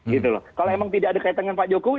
gitu loh kalau memang tidak ada kaitan dengan pak jokowi